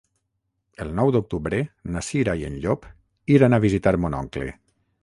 El nou d'octubre na Cira i en Llop iran a visitar mon oncle.